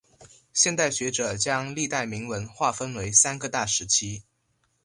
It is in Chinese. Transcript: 现代学者将历代铭文划分为三个大时期。